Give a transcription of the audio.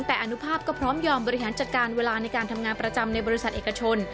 แต่อนุภาพก็พร้อมยอมบริหารจัดการเวลาในการทำงานประจำในบริษัทเอกชน